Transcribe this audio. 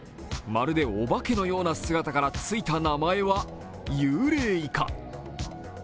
まるでお化けのような姿からついた名前はユウレイイカ。